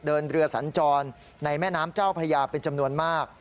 เดินเรือสัญจรในแม่น้ำเจ้าพระยาเป็นจำนวนมาก